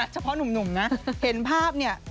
เฉพาะหนุ่มนะเห็นภาพเนี่ย